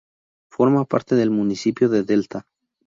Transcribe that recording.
Forma parte del municipio de Delta.